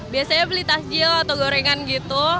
biasanya beli takjil atau gorengan gitu